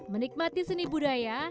menikmati seni budaya